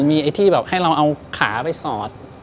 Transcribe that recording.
มีไอ้ที่แบบให้เราเอาขาไปสอด